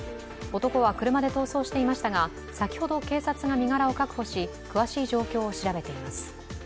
男は車で逃走していましたが、先ほど警察が身柄を確保し、詳しい状況を調べています。